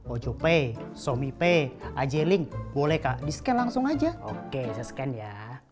ojp somipe ajeling boleh kak di scan langsung aja oke saya scan ya